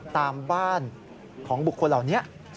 ตามบ้านของบุคคลเหล่านี้